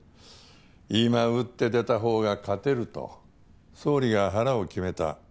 今打ってでたほうが勝てると総理が腹を決めた。